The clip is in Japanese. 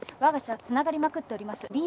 わが社はつながりまくっております。